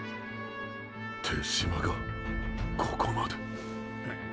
手嶋が“ここまで”！